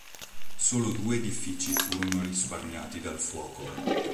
Solo due edifici furono risparmiati dal fuoco.